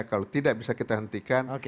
kalau tidak bisa kita hentikan